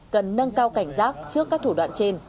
cần nâng cao cảnh giác trước các thủ đoạn trên